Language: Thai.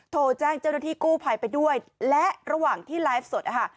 โทรแจ้งเจ้าหน้าที่กู้ภัยไปด้วยและระหว่างที่ไลฟ์สดนะคะ